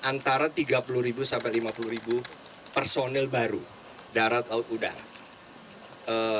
antara tiga puluh sampai lima puluh personil baru darat laut udara